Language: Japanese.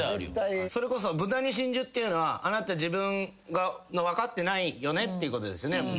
それこそ豚に真珠っていうのはあなた自分が分かってないよねっていうことですよね？